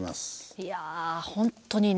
いやあ本当にね